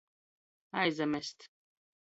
Aizamest.